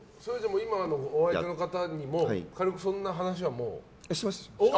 今のお相手の方にも軽くそんな話はもう？